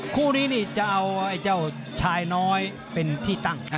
คู่นี้จะเอาชายน้อยเป็นที่ตั้ง